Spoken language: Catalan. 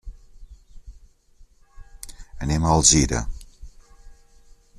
Anem a Alzira.